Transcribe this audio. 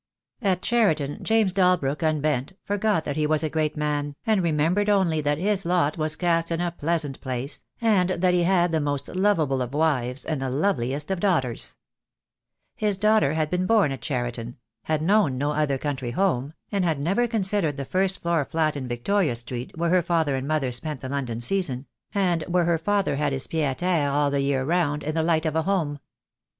At Cheriton James Dalbrook unbent, forgot that he was a great man, and remembered only that his lot was cast in a pleasant place, and that he had the most lov able of wives and the loveliest of daughters. THE DAY WILL COME. Cj His daughter had been born at Cheriton, had known no other country home, and had never considered the first floor flat in Victoria Street where her father and mother spent the London season, and where her father had his pied a terre all the year round, in the light of a home.